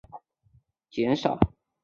郑白渠灌溉面积逐渐减少。